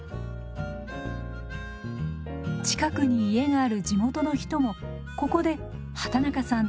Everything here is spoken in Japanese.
近くに家がある地元の人もここで畠中さんと寝食を共にします。